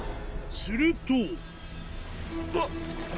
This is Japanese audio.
すると。